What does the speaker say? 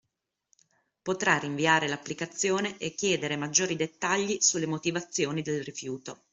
Potrà rinviare l’applicazione e chiedere maggiori dettagli sulle motivazioni del rifiuto.